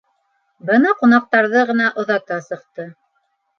— Бына ҡунаҡтарҙы ғына оҙата сыҡты.